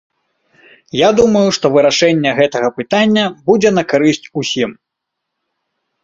Я думаю, што вырашэнне гэтага пытання будзе на карысць усім.